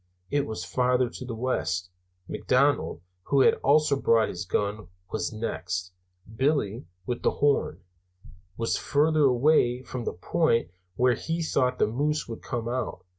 I was farthest to the west; McDonald (who had also brought his gun) was next; Billy, with the horn, was farthest away from the point where he thought the moose would come out.